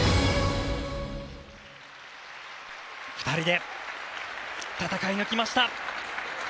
２人で戦い抜きました。